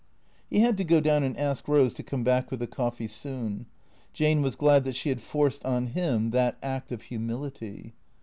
He had to go down and ask Eose to come back with the coffee soon. Jane was glad that she had forced on him that act of humility.